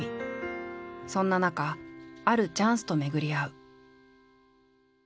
そんな中あるチャンスと巡り合う。